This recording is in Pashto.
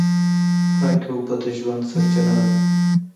پاکې اوبه د ژوند سرچینه ده.